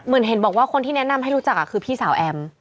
เห็นบอกว่าคนที่แนะนำให้รู้จักคือพี่สาวแอม